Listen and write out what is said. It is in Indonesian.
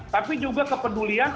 tapi juga kepedulian